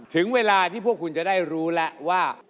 ถึงเวลาที่พวกคุณจะได้รู้แล้วว่า